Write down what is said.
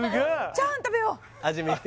チャーハン食べよう